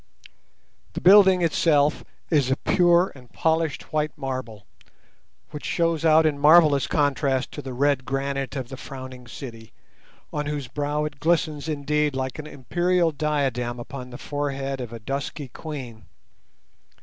The building itself is of pure and polished white marble, which shows out in marvellous contrast to the red granite of the frowning city, on whose brow it glistens indeed like an imperial diadem upon the forehead of a dusky queen.